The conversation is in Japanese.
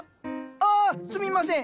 ああすみません。